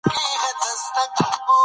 لیکوال خپل د سفر لیدلی حال بیان کړی.